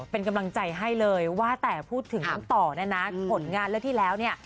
เป็นกำลังใจให้เลยว่าแต่พูดถึงน้องต่อนะนะผลงานเรื่องที่แล้วเนี่ย